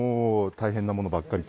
大変なものばっかりと！